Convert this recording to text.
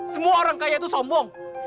semua orang kaya itu sombong